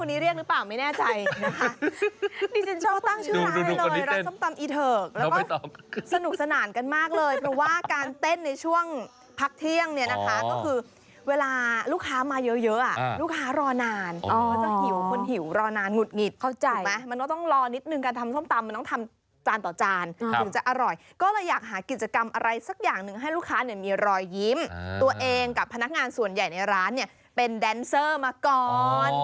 มีรอยยิ้มตัวเองกับพนักงานส่วนใหญ่ในร้านเนี่ยเป็นแดนเซอร์มาก่อน